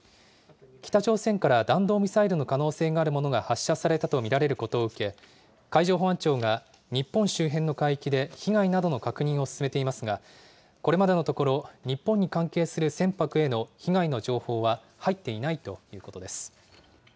北朝鮮から弾道ミサイルの可能性があるものが発射されたと見られることを受け、海上保安庁が日本周辺の海域で被害などの確認を進めていますが、これまでのところ、日本に関係する船舶への被害の情報は入っていないということです。